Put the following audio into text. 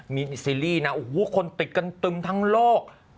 มีซีรีส์นะคนติดกันตึงทั้งโลก